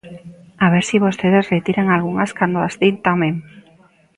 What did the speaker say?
A ver se vostedes retiran algunhas cando as din tamén.